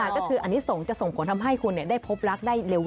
ก็คืออันนี้ส่งจะส่งผลทำให้คุณได้พบรักได้เร็ว